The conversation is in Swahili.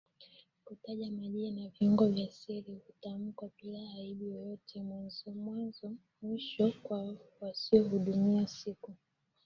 kutaja majina viungo vya siri hutamkwa bila aibu yoyote mwanzo mwishoKwa wasioshuhudia siku